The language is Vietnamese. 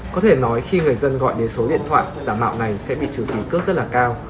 có thể nói khi người dân gọi đến số điện thoại giả mạo này sẽ bị trừ phí cước rất là cao